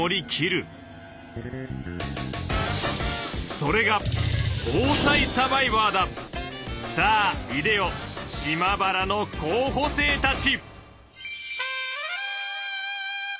それがさあいでよ島原の候補生たち！